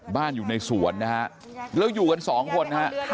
บ้านอยู่ในสวนนะฮะแล้วอยู่กัน๒คนนะฮะ